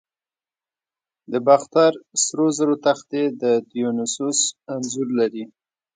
د باختر سرو زرو تختې د دیونوسوس انځور لري